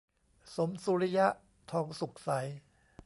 สมสุริยะ ทองสุกใส